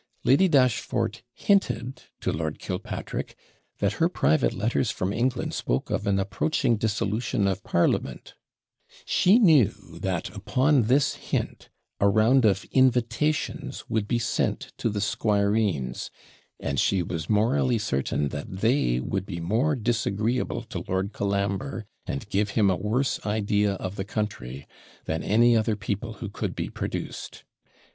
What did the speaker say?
Lady Dashfort hinted to Lord Killpatrick, that her private letters from England spoke of an approaching dissolution of Parliament; she knew that, upon this hint, a round of invitations would be sent to the squireens; and she was morally certain that they would be more disagreeable to Lord Colambre, and give him a worse idea of the country, than any other people who could be produced.